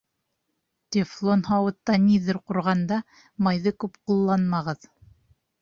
Тефлон һауытта ниҙер ҡурғанда майҙы күп ҡулланмағыҙ.